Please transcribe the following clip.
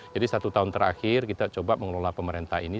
jadi satu tahun terakhir kita coba mengelola pemerintah ini